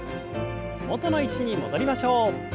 元の位置に戻りましょう。